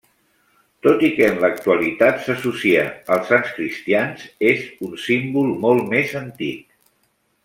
Tot i que en l'actualitat s'associa als sants cristians, és un símbol molt més antic.